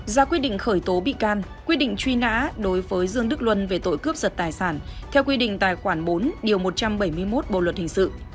ra quyết định khởi tố bị can quyết định truy nã đối với dương đức luân về tội cướp giật tài sản theo quy định tài khoản bốn điều một trăm bảy mươi một bộ luật hình sự